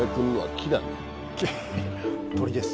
木鳥です。